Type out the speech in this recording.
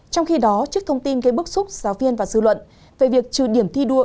trong khi đó trước thông tin gây bức xúc giáo viên và dư luận về việc trừ điểm thi đua